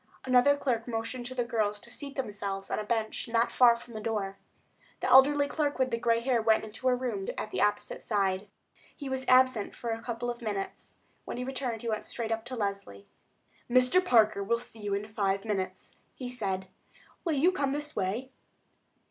Another clerk motioned to the girls to seat themselves on a bench not far from the door. The elderly clerk with the gray hair went into a room at the opposite side. He was absent for a couple of minutes. When he returned he went straight up to Leslie. "Mr. Parker will see you in five minutes," he said. "Will you come this way?"